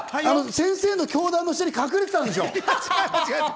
先生の教壇の下に隠れてたんでしょ。